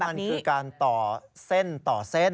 มันคือการต่อเส้นต่อเส้น